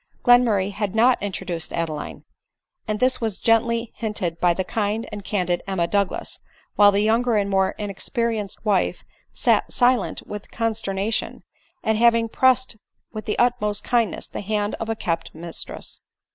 Glenmurray had not intro duced Adeline ; and this was gently hinted by the kind and candid Emma Douglas ; while die younger and more inexperienced wife sat silent with consternation, at having pressed with the utmost kindness the hand of a kept mis tress.